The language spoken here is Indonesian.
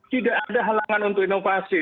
tidak ada halangan untuk inovasi